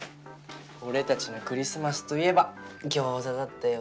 俺たちのクリスマスといえば餃子だったよね。